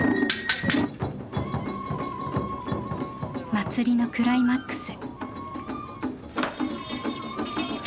祭りのクライマックス。